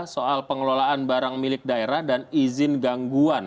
soal pengelolaan barang milik daerah dan izin gangguan